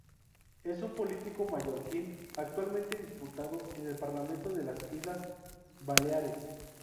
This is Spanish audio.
Es un político mallorquín, actualmente diputado en el Parlamento de las Islas Baleares.